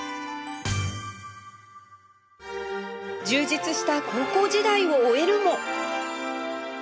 充実した高校時代を終えるも